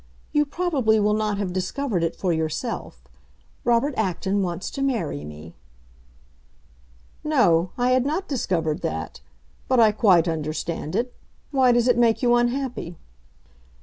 "You probably will not have discovered it for yourself. Robert Acton wants to marry me." "No, I had not discovered that. But I quite understand it. Why does it make you unhappy?"